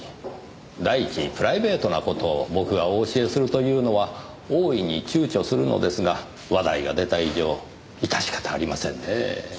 だいいちプライベートな事を僕がお教えするというのは大いに躊躇するのですが話題が出た以上致し方ありませんねぇ。